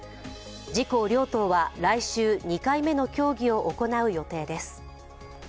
自公両党は来週、２回目の協議を行う予定です。